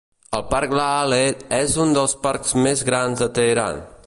El Parc Laleh és un dels parcs més grans de Teheran.